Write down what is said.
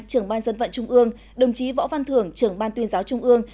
trưởng ban dân vận trung ương đồng chí võ văn thưởng trưởng ban tuyên giáo trung ương